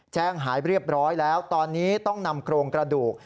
แจ้งหายเรียบร้อยแล้วตอนนี้ต้องนำโครงกระดูก